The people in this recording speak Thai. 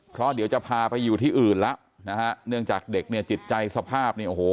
เพราะเดี๋ยวจะพาไปอยู่ที่อื่นแล้วนะฮะเนื่องจากเด็กเนี่ยจิตใจสภาพเนี่ยโอ้โห